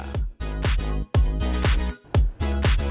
kedua penyelenggaraan pembayaran digital